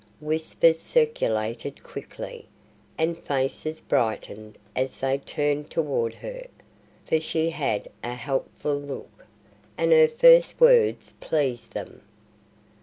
Whispers circulated quickly, and faces brightened as they turned toward her; for she had a helpful look, and her first words pleased them.